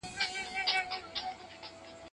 ځینې مېرمنې له کوره نه وتلې.